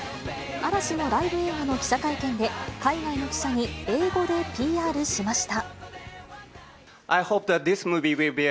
嵐のライブ映画の記者会見で、海外の記者に英語でＰＲしました。